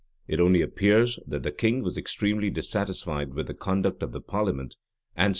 It only appears, that the king was extremely dissatisfied with the conduct of the parliament, and soon after dissolved it.